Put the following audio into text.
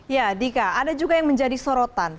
ya dika ada juga yang menjadi sorotan